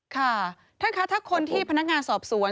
ค่ะท่านคะถ้าคนที่พนักงานสอบสวน